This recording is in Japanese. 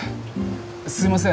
すいません。